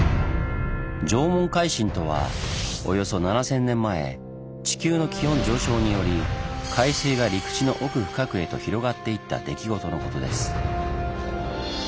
縄文海進とはおよそ７，０００年前地球の気温上昇により海水が陸地の奥深くへと広がっていった出来事のことです。